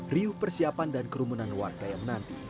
riau persiapan dan kerumunan warga yang nanti